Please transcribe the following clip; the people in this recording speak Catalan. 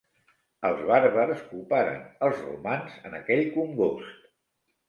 Els bàrbars coparen els romans en aquell congost.